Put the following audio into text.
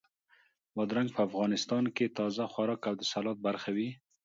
بادرنګ په افغانستان کې تازه خوراک او د سالاد برخه وي.